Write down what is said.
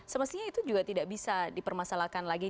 semestinya itu juga tidak bisa dipermasalahkan lagi